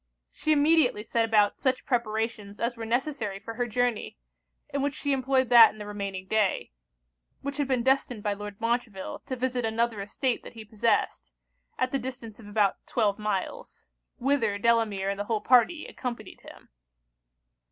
She immediately set about such preparations as were necessary for her journey, in which she employed that and the remaining day; which had been destined by Lord Montreville to visit another estate that he possessed, at the distance of about twelve miles; whither Delamere and the whole party accompanied him.